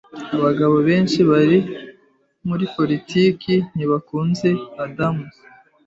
Abagabo benshi muri politiki ntibakunze Adams.